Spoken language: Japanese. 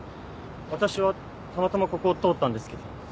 私はたまたまここを通ったんですけど。